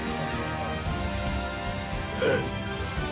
えっ？